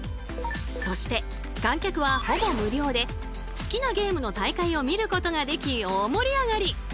そして観客はほぼ無料で好きなゲームの大会を見ることができ大盛り上がり！